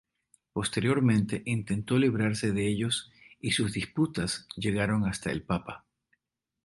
Posteriormente, intentó librarse de ellos y sus disputas llegaron hasta el papa.